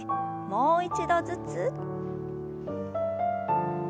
もう一度ずつ。